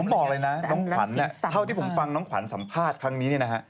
ผมบอกเลยนะน้องขวัญเท่าที่ผมฟังน้องขวัญสัมภาษณ์ครั้งนี้เนี่ยนะฮะ